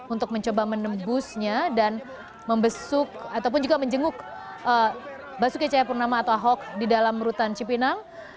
untuk mencoba menembusnya dan membesuk ataupun juga menjenguk basuki cahayapurnama atau ahok di dalam rutan cipinang